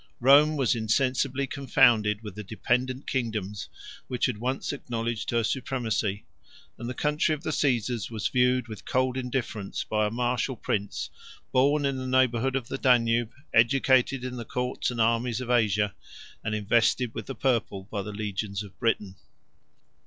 Rome was insensibly confounded with the dependent kingdoms which had once acknowledged her supremacy; and the country of the Cæsars was viewed with cold indifference by a martial prince, born in the neighborhood of the Danube, educated in the courts and armies of Asia, and invested with the purple by the legions of Britain.